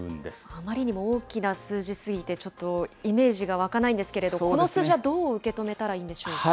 あまりにも大きな数字すぎて、ちょっと、イメージがわかないんですけれども、この数字はどう受け止めたらいいんでしょうか。